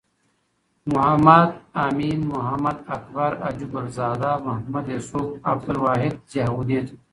محمد امین.محمد اکبر.حاجی ګل زاده. محمد یوسف.عبدالواحد.ضیاالدین